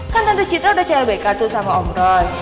kan tante citra udah clbk tuh sama om ron